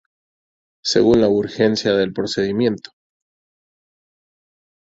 Según la urgencia del procedimiento.